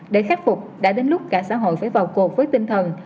để khắc phục đã đến lúc cả xã hội phải vào cuộc với tinh thần